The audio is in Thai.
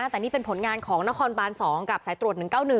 แต่นี่เป็นผลงานของนครบาน๒กับสายตรวจ๑๙๑